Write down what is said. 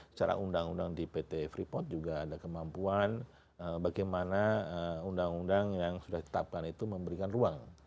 secara undang undang di pt freeport juga ada kemampuan bagaimana undang undang yang sudah ditetapkan itu memberikan ruang